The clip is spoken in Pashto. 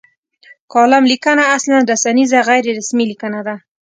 کالم لیکنه اصلا رسنیزه غیر رسمي لیکنه ده.